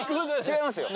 違いますよ。